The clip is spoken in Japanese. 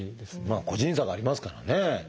個人差がありますからね。